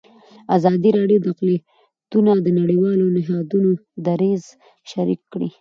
ازادي راډیو د اقلیتونه د نړیوالو نهادونو دریځ شریک کړی.